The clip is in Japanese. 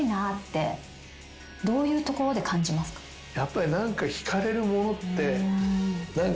やっぱり何か。